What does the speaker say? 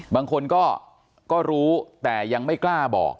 บางคนก็รู้แต่ยังไม่กล้าบอก